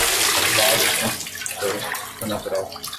vasoconstrictor, anadrol